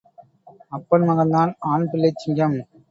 அப்பன் மகன்தான் ஆண் பிள்ளைச் சிங்கம்